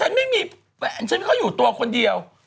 แม่งมิฉนไม่มีเพร่นฉันเข้าอยู่ตัวคนเดียว